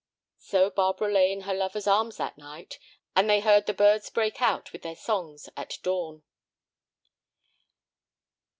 So Barbara lay in her lover's arms that night, and they heard the birds break out with their songs at dawn.